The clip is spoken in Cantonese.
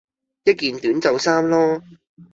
一件短袖衫囉